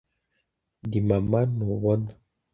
Ndi mama ntubona